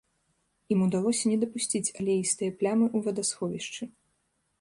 Ім удалося не дапусціць алеістыя плямы ў вадасховішча.